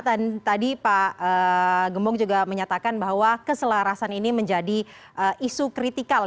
dan tadi pak gembong juga menyatakan bahwa keselarasan ini menjadi isu kritikal